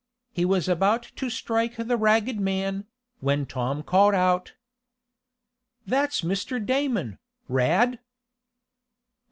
He was about to strike the ragged man, when Tom called out: "That's Mr. Damon, Rad!"